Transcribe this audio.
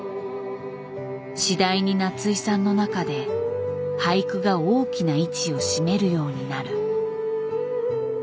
次第に夏井さんの中で俳句が大きな位置を占めるようになる。